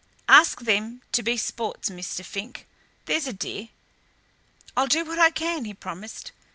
Ask them to be sports, Mr. Fink, there's a dear." "I'll do what I can," he promised.